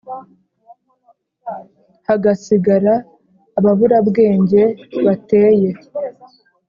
hagasigara ababurabwenge bateye